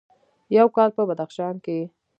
یو کال په بدخشان کې: